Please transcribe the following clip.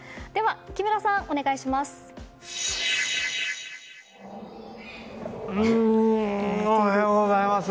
木村さん、お願いします。